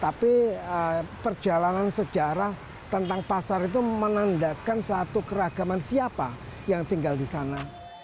tapi perjalanan sejarah tentang pasar itu menandakan satu keragaman siapa yang tinggal di sana